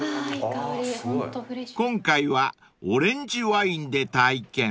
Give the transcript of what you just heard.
［今回はオレンジワインで体験］